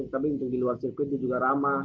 tapi untuk di luar sirkuit itu juga ramah